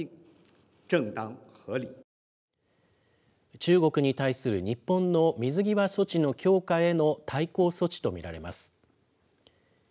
中国に対する日本の水際措置の強化への対抗措置と見られます。